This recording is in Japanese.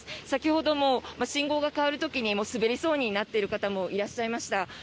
先ほども信号が変わる時に滑りそうになっている方もいらっしゃいました。